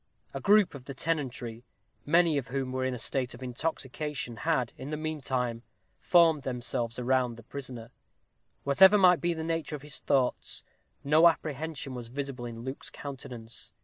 A group of the tenantry, many of whom were in a state of intoxication, had, in the meantime, formed themselves round the prisoner. Whatever might be the nature of his thoughts, no apprehension was visible in Luke's countenance.